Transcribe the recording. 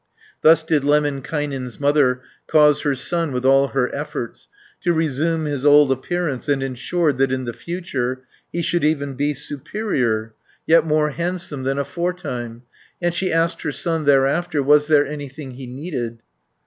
Thus did Lemminkainen's mother Cause her son with all her efforts, To resume his old appearance, And ensured that in the future He should even be superior, Yet more handsome than aforetime, And she asked her son thereafter Was there anything he needed?